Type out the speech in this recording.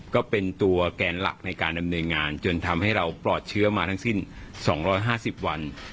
ก็เป็นตัวแกนหลักในการดำเนินงานจนทำให้เราปลอดเชื้อมาทั้งสิ้น๒๕๐วัน